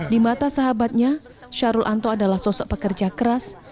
di mata sahabatnya syahrul anto adalah sosok pekerja keras